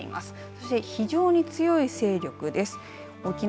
そして非常に強い勢力です。